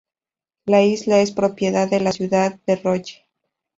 La isla es propiedad de la ciudad de Rolle.